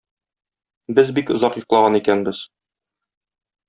Без бик озак йоклаган икәнбез.